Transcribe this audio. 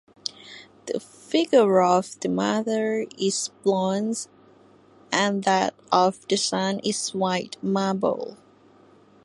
The figure of the mother is bronze and that of the son is white marble.